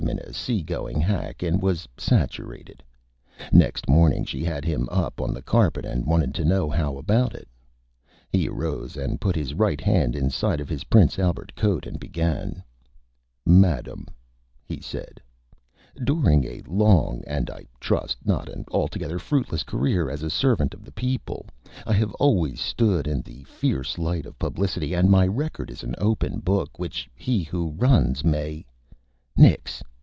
in a Sea Going Hack and he was Saturated. Next Morning she had him up on the Carpet and wanted to know How About It. [Illustration: THE BANTAM] He arose and put his Right Hand inside of his Prince Albert Coat and began. "Madam," he said, "During a Long, and, I trust, a not altogether fruitless Career as a Servant of the Peepul, I have always stood in the Fierce Light of Publicity, and my Record is an Open Book which he who runs may " "Nix!